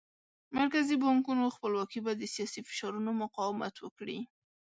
مرکزي بانکونو خپلواکي به د سیاسي فشارونو مقاومت وکړي.